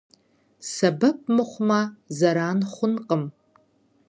Сэбэп мыхъумэ, зэран хъункъым.